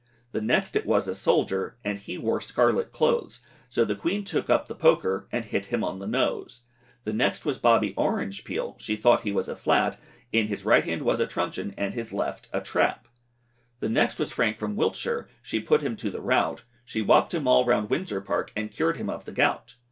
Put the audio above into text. The next it was a soldier, And he wore scarlet clothes, So the queen took up the poker, And hit him on the nose. The next was Bobby Orange Peel, She thought he was a flat, In his right hand was a truncheon, And in his left a trap. The next was Frank from Wiltshire, She put him to the rout, She wopp'd him all round Windsor park, And cured him of the gout.